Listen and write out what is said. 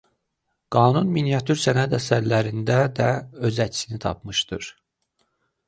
Qanun miniatür sənət əsərlərində də öz əksini tapmışdır.